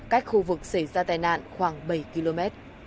cách khu vực xảy ra tai nạn khoảng bảy km